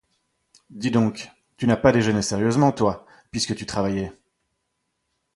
Dis donc, tu n'as pas déjeuné sérieusement, toi, puisque tu travaillais.